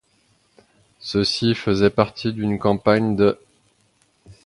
Ceci faisait partie d'une campagne d'.